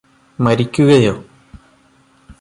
മരിക്കുകയോ